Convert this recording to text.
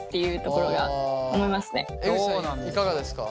いかがですか？